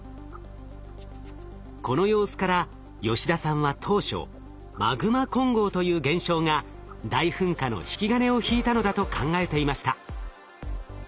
この様子から吉田さんは当初マグマ混合という現象が大噴火の引き金を引いたのだと考えていました。